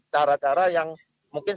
cara cara yang mungkin